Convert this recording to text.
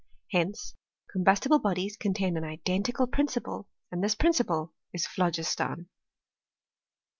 Hence combustible bodies contain an identical prin ciple, and this principle is phlogiston.